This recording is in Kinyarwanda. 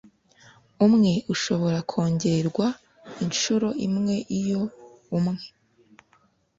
umwe ushobora kongerwa inshuro imwe Iyo umwe